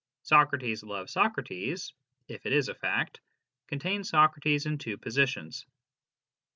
" Socrates loves Socrates " (if it is a fact) contains Socrates in two positions.